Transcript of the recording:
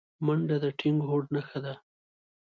منډه د ټینګ هوډ نښه ده